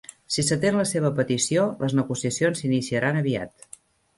Si s'atén la seva petició, les negociacions s'iniciaran aviat.